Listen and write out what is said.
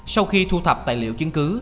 sau khi thu thập tài liệu chứng cứ